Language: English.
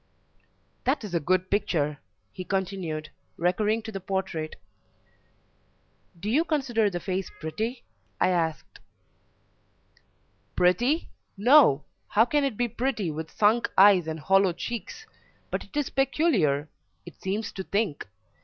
"That is a good picture," he continued, recurring to the portrait. "Do you consider the face pretty?" I asked. "Pretty! no how can it be pretty, with sunk eyes and hollow cheeks? but it is peculiar; it seems to think.